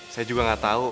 saya juga gak tau